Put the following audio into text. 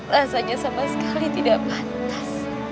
rasanya sama sekali tidak pantas